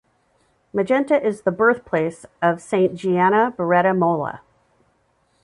Magenta is the birthplace of Saint Gianna Beretta Molla.